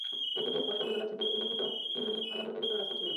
এ থেকে স্পষ্ট বোঝা যাচ্ছে যে, উল্লেখিত তিনজনই আল্লাহর প্রেরিত রাসূল ছিলেন।